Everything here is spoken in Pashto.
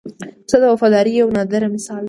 پسه د وفادارۍ یو نادره مثال دی.